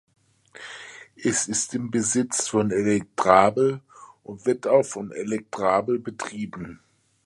Es ist im Besitz von Electrabel und wird auch von Electrabel betrieben.